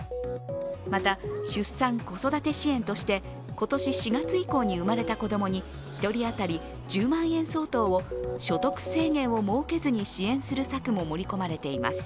また、出産・子育て支援として今年４月以降に生まれた子供に１人当たり１０万円相当を所得制限を設けずに支援する策も盛り込まれています。